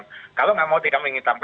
karena kalau kita mau dikambing hitam